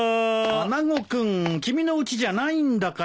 穴子君君のうちじゃないんだから。